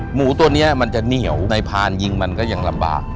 หมูตัวนี้มันจะเหนียวในพานยิงมันก็ยังลำบาก